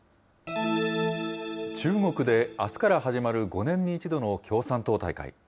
中国であすから始まる５年に１度の共産党大会。